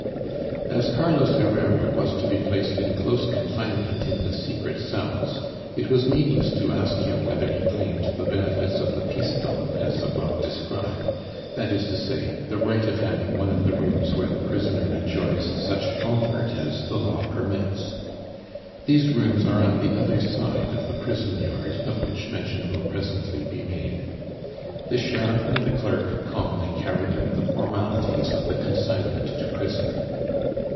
As Carlos Herrera was to be placed in close confinement in the secret cells, it was needless to ask him whether he claimed the benefits of the pistole (as above described), that is to say, the right of having one of the rooms where the prisoner enjoys such comfort as the law permits. These rooms are on the other side of the prison yard, of which mention will presently be made. The sheriff and the clerk calmly carried out the formalities of the consignment to prison.